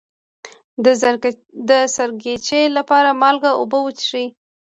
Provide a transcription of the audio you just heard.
د سرګیچي لپاره مالګه او اوبه وڅښئ